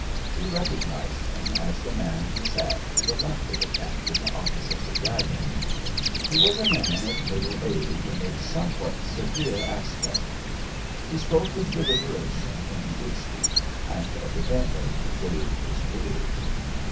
We recognised him as the man who sat to the left of the captain opposite the "dragon." He was a man of middle age and of somewhat severe aspect. He spoke with deliberation when he did speak, and evidently, weighed his words.